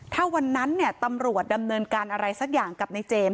ถ้าวันนั้นตำรวจดำเนินการอะไรสักอย่างกับในเจมส